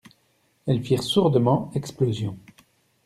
Elles firent sourdement explosion.